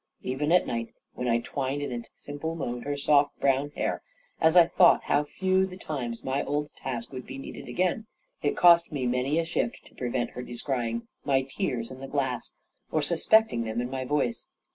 Even at night, when I twined in its simple mode her soft brown hair, as I thought how few the times my old task would be needed again, it cost me many a shift to prevent her descrying my tears in the glass, or suspecting them in my voice.